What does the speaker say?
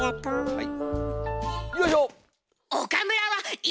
はい。